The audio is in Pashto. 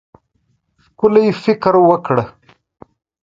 ښکلی فکر وکړه.